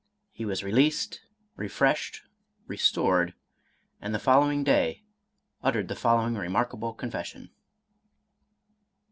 He was released, refreshed, re stored, and the following day uttered the following remark able confession.